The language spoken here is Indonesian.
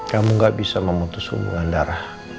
kamu gak bisa memutus hubungan darah